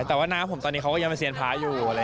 แต่ว่าหน้าผมเขายังเป็นเสียงพ้าอยู่